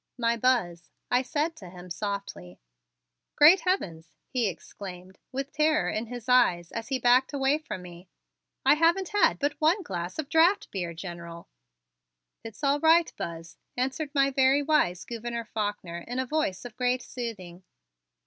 "My Buzz," I said to him softly. "Great heavens!" he exclaimed, with terror in his eyes as he backed away from me. "I haven't had but one glass of draft beer, General." "It's all right, Buzz," answered my very wise Gouverneur Faulkner, in a voice of great soothing.